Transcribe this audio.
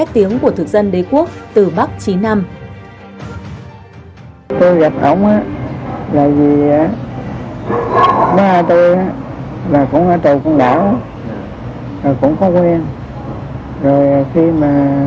hai tiếng của thực dân đế quốc từ bắc chí nam